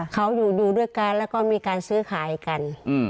เขาอยู่ดูด้วยกันแล้วก็มีการซื้อขายกัน